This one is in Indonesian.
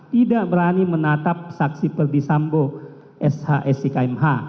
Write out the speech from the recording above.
tidak berani menatap saksi perdisambo s i k m h